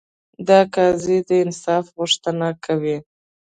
دا قاضي د انصاف غوښتنه کوي.